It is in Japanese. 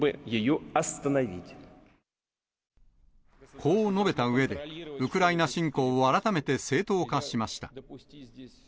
こう述べたうえで、ウクライナ侵攻を改めて正当化しました。